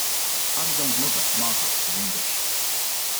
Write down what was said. Ardizzone's mother, Margaret, was English.